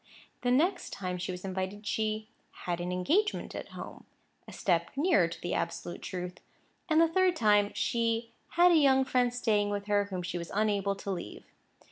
The next time she was invited, she "had an engagement at home"—a step nearer to the absolute truth. And the third time, she "had a young friend staying with her whom she was unable to leave."